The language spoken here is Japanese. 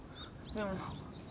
でも。